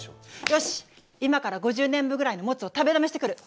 よし今から５０年分ぐらいのモツを食べだめしてくる！